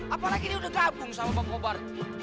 apalagi dia udah gabung sama bang kobar